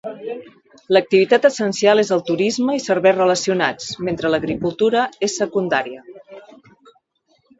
L'activitat essencial és el turisme i serveis relacionats, mentre l'agricultura és secundària.